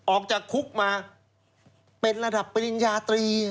ออกจากคุกมาเป็นระดับปริญญาตรี